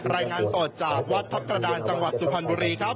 รายงานสดจากวัดทัพกระดานจังหวัดสุพรรณบุรีครับ